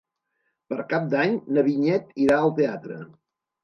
Per Cap d'Any na Vinyet irà al teatre.